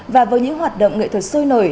và với những hoạt động nghệ thuật sôi nổi